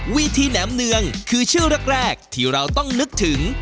วิธีแหนมเนืองคือชื่อแรกที่เราต้องนึกถึง